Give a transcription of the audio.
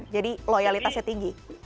jadi loyaltasnya tinggi